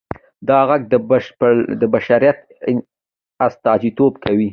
دا غږ د بشریت استازیتوب کوي.